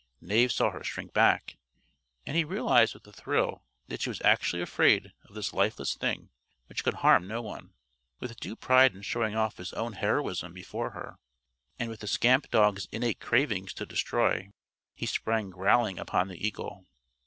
Knave saw her shrink back, and he realized with a thrill that she was actually afraid of this lifeless thing which could harm no one. With due pride in showing off his own heroism before her, and with the scamp dog's innate craving to destroy, he sprang growling upon the eagle.